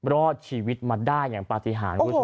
รอดชีวิตมาได้อย่างประธิษฐาน